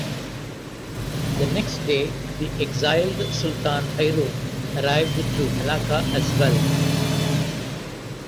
The next day the exiled Sultan Hairun arrived to Melaka as well.